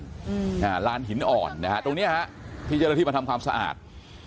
อืมอ่าลานหินอ่อนนะฮะตรงเนี้ยฮะที่เจรฐีมาทำความสะอาด